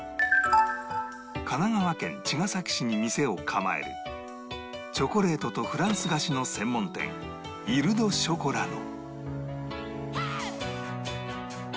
神奈川県茅ヶ崎市に店を構えるチョコレートとフランス菓子の専門店イル・ド・ショコラの